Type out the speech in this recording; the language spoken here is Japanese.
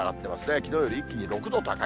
きのうより一気に６度高い。